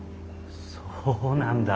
そうなんだ。